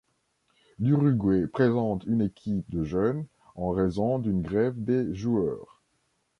L'Uruguay présente une équipe de jeunes, en raison d'une grève des joueurs.